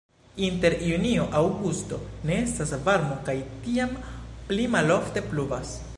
Inter junio-aŭgusto ne estas varmo kaj tiam pli malofte pluvas.